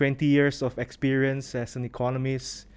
lebih dari dua puluh tahun pengalaman sebagai ekonomis